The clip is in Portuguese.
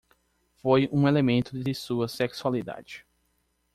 Foi um elemento de sua sexualidade.